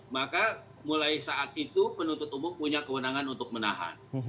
maka mulai saat itu penuntut umum punya kewenangan untuk menahan